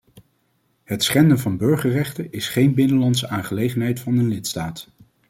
Het schenden van burgerrechten is geen binnenlandse aangelegenheid van een lidstaat.